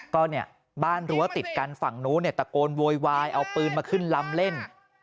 ก็เนี่ยบ้านรั้วติดกันฝั่งนู้นเนี่ยตะโกนโวยวายเอาปืนมาขึ้นลำเล่น